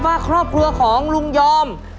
ว่าครอบครัวของลุงยอม